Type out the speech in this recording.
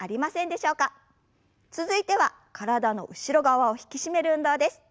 続いては体の後ろ側を引き締める運動です。